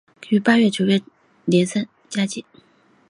于八月至九月初展开连胜佳绩。